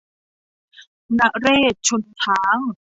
นเรศวร์ชนช้าง